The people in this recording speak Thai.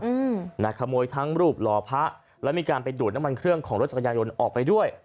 อืมนะขโมยทั้งรูปหล่อพระแล้วมีการไปดูดน้ำมันเครื่องของรถจักรยานยนต์ออกไปด้วย